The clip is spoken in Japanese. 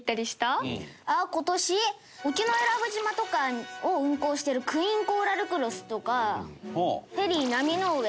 沖永良部島とかを運航してるクイーンコーラルクロスとかフェリー波之上。